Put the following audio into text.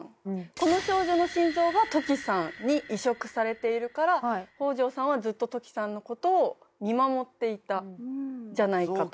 この少女の心臓が土岐さんに移植されているから北条さんはずっと土岐さんの事を見守っていたんじゃないかと。